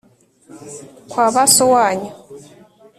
kwa ba so wanyu,